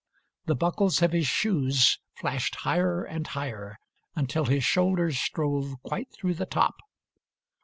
The buckles of his shoes flashed higher and higher Until his shoulders strove Quite through the top.